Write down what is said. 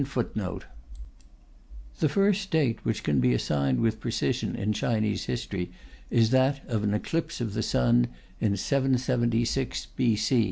The first date which can be assigned with precision in Chinese history is that of an eclipse of the sun in 776 B.